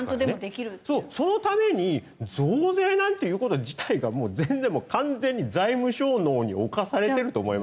そのために増税なんていう事自体がもう全然完全に財務省脳に侵されてると思いますよ。